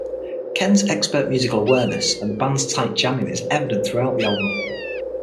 Ken's expert musical awareness and the band's tight jamming is evident throughout the album.